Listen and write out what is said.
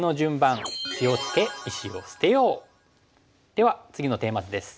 では次のテーマ図です。